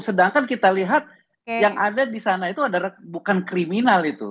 sedangkan kita lihat yang ada disana itu bukan kriminal itu